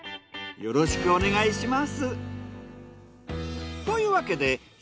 よろしくお願いします。